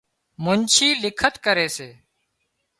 منڇي لکت ڪري سي